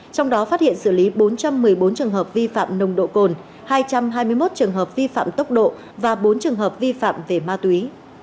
trong đó phát hiện xử lý bốn trăm một mươi bốn trường hợp vi phạm nồng độ cồn hai trăm hai mươi một trường hợp vi phạm tốc độ và bốn trường hợp vi phạm về ma túy